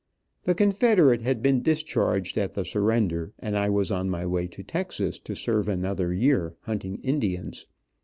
The Confederate had been discharged at the surrender, and I was on my way to Texas, to serve another year, hunting Indians.